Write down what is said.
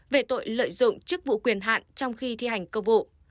về tội lợi dụng chức vụ quyền hạn trong khi thi hành công vụ